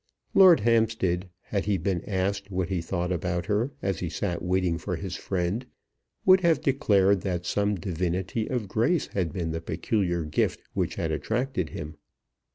Lord Hampstead, had he been asked what he thought about her, as he sat waiting for his friend, would have declared that some divinity of grace had been the peculiar gift which had attracted him.